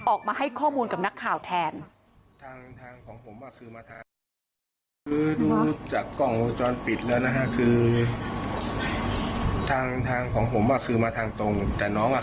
ออกมาให้ข้อมูลกับนักข่าวแทน